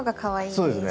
そうですね。